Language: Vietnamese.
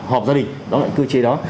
họp gia đình đó là cơ chế đó